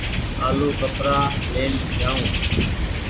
آلو ڪترآ لين جآئو۔